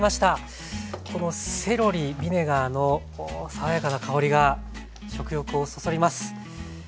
このセロリビネガーの爽やかな香りが食欲をそそります。